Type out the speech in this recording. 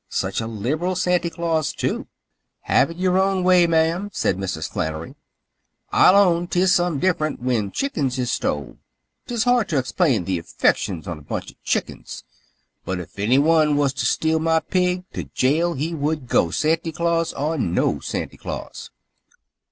Such a liberal Santy Claus, too." "Have it yer own way, ma'am," said Mrs. Flannery. "I'll own 'tis some different whin chickens is stole. 'Tis hard to expind th' affections on a bunch of chickens, but, if any one was t' steal my pig, t' jail he would go, Santy Claus or no Santy Claus.